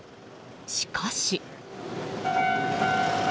しかし。